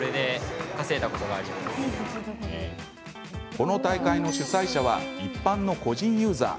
この大会の主催者は一般の個人ユーザー。